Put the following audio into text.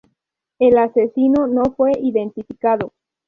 El asesino no fue identificado.